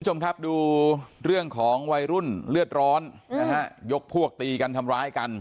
คุณผู้ชมครับดูเรื่องของวัยรุ่นเลือดร้อนนะฮะยกพวกตีกันทำร้ายกัน